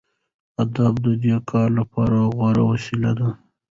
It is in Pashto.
ادب د دې کار لپاره غوره وسیله ده.